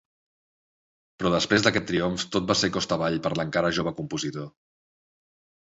Però després d'aquest triomf tot va ser costa avall per l'encara jove compositor.